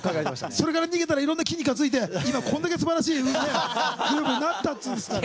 それから逃げたらいろんな筋肉がついて今こんだけすばらしいグループになったっつうんですから。